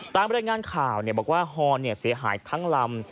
ตามบริษัทงานข่าวบอกว่าฮอล์เสียหายทั้งลำ